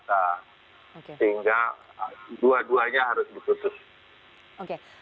sehingga dua duanya harus diputus